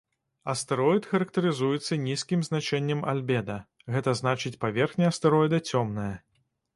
Астэроід характарызуецца нізкім значэннем альбеда, гэта значыць паверхня астэроіда цёмная.